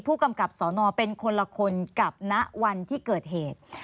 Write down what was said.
ผู้กำกับสอนอเป็นคนละคนกับณวันที่เกิดเหตุ